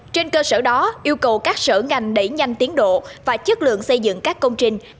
trên cơ sở đó yêu cầu các sở ngành đẩy nhanh tiến độ và chất lượng xây dựng các công trình